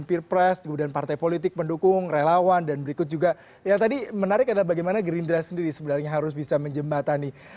ya tadi menarik adalah bagaimana gerinda sendiri sebenarnya harus bisa menjembatani